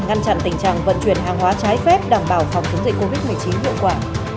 ngăn chặn tình trạng vận chuyển hàng hóa trái phép đảm bảo phòng chống dịch covid một mươi chín hiệu quả